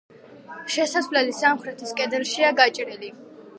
შესასვლელი სამხრეთის კედელშია გაჭრილი.